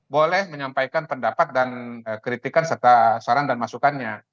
boleh menyampaikan pendapat dan kritikan serta saran dan masukannya